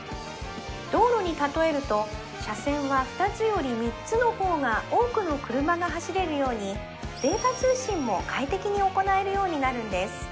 道路に例えると車線は２つより３つの方が多くの車が走れるようにデータ通信も快適に行えるようになるんです